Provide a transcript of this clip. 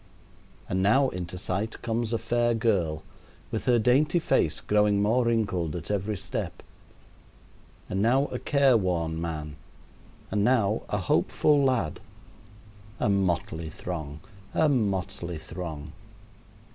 And now into sight comes a fair girl, with her dainty face growing more wrinkled at every step, and now a care worn man, and now a hopeful lad. A motley throng a motley throng!